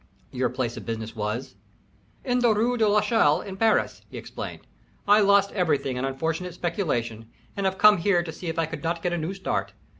"Your place of business was " "In the Rue de l'Echelle in Paris," he explained. "I lost everything in unfortunate speculation, and have come here to see if I could not get a new start.